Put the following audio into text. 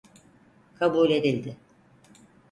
Kabul edildi.